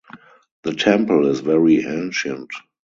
The temple is very ancient.